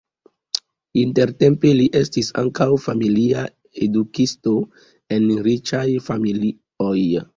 Intertempe li estis ankaŭ familia edukisto en riĉaj familioj.